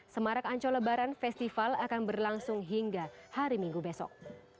semarak ancol lebaran festival akan berlangsung hingga hari minggu besok